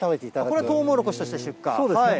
これ、トウモロコシとして出そうですね。